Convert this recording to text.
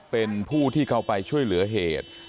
เป็นผู้ที่เขาไปช่วยเหลือเหตุ